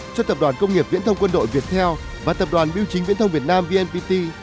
cho tập đoàn công nghiệp viễn thông quân đội việt theo và tập đoàn biêu chính viễn thông việt nam vnpt